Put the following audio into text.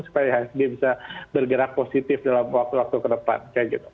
supaya ihsg bisa bergerak positif dalam waktu waktu ke depan kayak gitu